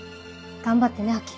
頑張ってね亜季。